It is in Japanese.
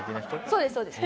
そうですそうです。